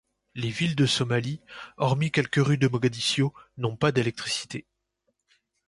Les villes de Somalie, hormis quelques rues de Mogadiscio, n'ont pas d'électricité.